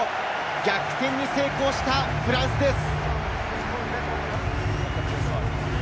逆転に成功したフランスです。